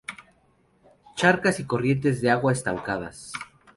Charcas y corrientes de agua estancadas.